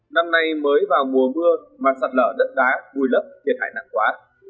năm nay mới vào mùa mưa mà sạt lở đất đá vùi lấp thiệt hại nặng quá